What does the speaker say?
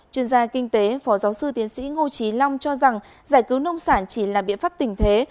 chuyên gia kinh tế phó giáo sư tiến sĩ ngô trí long cho rằng giải cứu nông sản chỉ là biện pháp tình thế